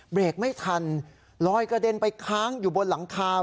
เบรกไม่ทันลอยกระเด็นไปค้างอยู่บนหลังคา